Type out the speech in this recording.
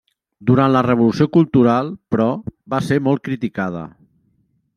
Durant la Revolució Cultural, però, va ser molt criticada.